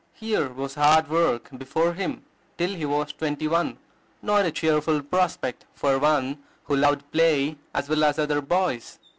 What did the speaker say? Here was hard work before him till he was twenty one; not a cheerful prospect for one who loved play as well as other boys.